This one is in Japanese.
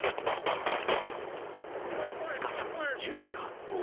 すかさず銃で発砲。